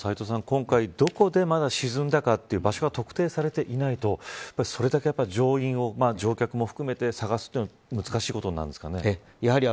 今回、どこで沈んだかという場所が特定されていないとそれだけ、乗員、乗客を含めて探すのは難しいんですかね。